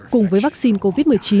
cùng với vaccine covid một mươi chín